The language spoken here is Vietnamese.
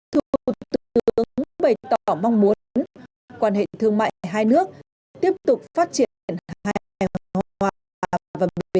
thủ tướng cũng bày tỏ mong muốn quan hệ thương mại hai nước tiếp tục phát triển hòa bình và bền vững trong thời gian tới